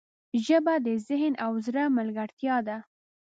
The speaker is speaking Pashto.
ژبه د ذهن او زړه ملګرتیا ده